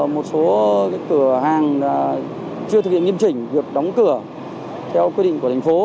một số cửa hàng chưa thực hiện nghiêm chỉnh việc đóng cửa theo quy định của thành phố